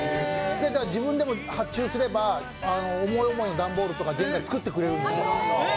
自分でも発注すれば、思い思いの段ボールとかジェンガを作ってくれるんですよ。